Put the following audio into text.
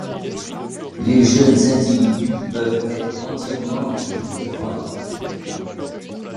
Les jeunes individus peuvent être entièrement gris-brun.